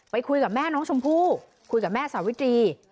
คุยกับแม่น้องชมพู่คุยกับแม่สาวิตรี